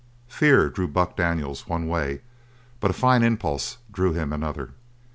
Fear drew Buck Daniels one way but a fine impulse drew him another.